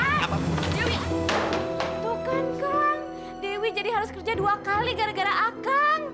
tuh kan kang dewi jadi harus kerja dua kali gara gara akang